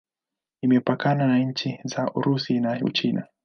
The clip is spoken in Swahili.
Imepakana na nchi za Urusi na Uchina.